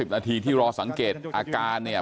นาทีที่รอสังเกตอาการเนี่ย